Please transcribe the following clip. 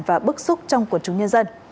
và bức xúc trong quần chúng nhân dân